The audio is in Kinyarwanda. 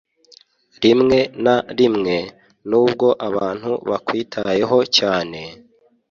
Rimwe na rimwe, nubwo abantu bakwitayeho cyane,